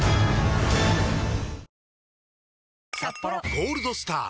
「ゴールドスター」！